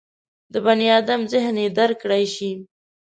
د بني ادم ذهن یې درک کړای شي.